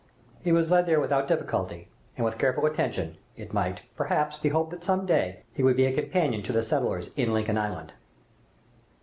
He was led there without difficulty, and with careful attention, it might, perhaps, be hoped that some day he would be a companion to the settlers in Lincoln Island.